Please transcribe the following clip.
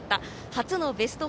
初のベスト４